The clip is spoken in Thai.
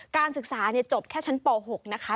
การศึกษาจบแค่ชั้นป๖นะคะ